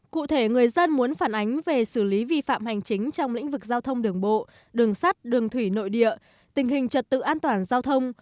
cụ thể người dân muốn phản ánh về xử lý vi phạm hành chính trong lĩnh vực giao thông đường bộ đường sắt đường thủy nội địa tình hình trật tự an toàn giao thông